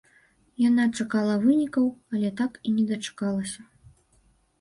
Яна чакала вынікаў, але так і не дачакалася.